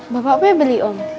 bapak pebri om